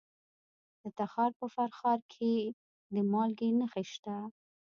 د تخار په فرخار کې د مالګې نښې شته.